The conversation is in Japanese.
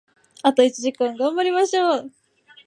あと一時間、頑張りましょう！